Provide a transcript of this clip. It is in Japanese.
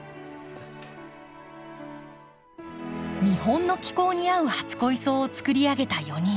日本の気候に合う初恋草をつくりあげた４人。